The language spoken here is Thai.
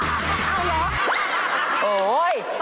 อ้าวเหรอ